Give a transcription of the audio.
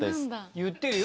言ってるよ